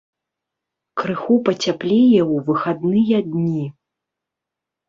Крыху пацяплее ў выхадныя дні.